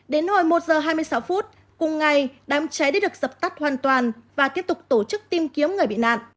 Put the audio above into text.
đến hồi một giờ hai mươi sáu phút cùng ngày đám cháy đã được dập tắt hoàn toàn và tiếp tục tổ chức tìm kiếm người bị nạn